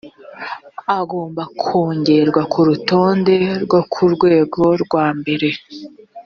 agomba kongerwa ku rutonde rwo ku rwego rwambere